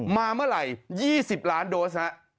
มาเมื่อไหร่๒๐ล้านโดสฮะ